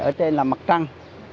ở trên là mặt trăng